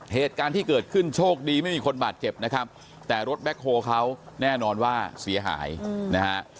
เหตุการณ์ที่เกิดขึ้นโชคดีไม่มีคนบาดเจ็บนะครับแต่รถแบ็คโฮเขาแน่นอนว่าเสียหายนะฮะ